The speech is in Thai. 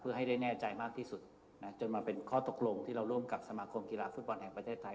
เพื่อให้ได้แน่ใจมากที่สุดนะจนมาเป็นข้อตกลงที่เราร่วมกับสมาคมกีฬาฟุตบอลแห่งประเทศไทย